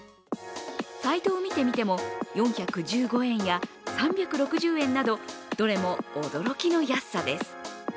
サイトを見てみても、４１５円や３６０円など、どれも驚きの安さです。